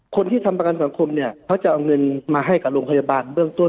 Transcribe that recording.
คนที่ทำประกันสังคมเนี่ยเขาจะเอาเงินมาให้กับโรงพยาบาลเบื้องต้น